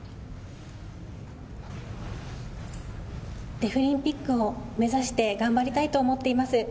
デフリンピックを目指して頑張りたいと思っています。